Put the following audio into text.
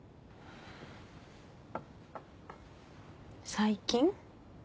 最近？